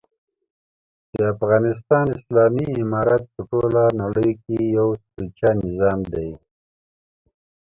دافغانستان اسلامي امارت په ټوله نړۍ کي یو سوچه نظام دی